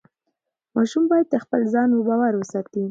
ماشوم باید د خپل ځان باور وساتي.